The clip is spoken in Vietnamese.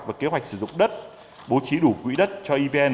và kế hoạch sử dụng đất bố trí đủ quỹ đất cho evn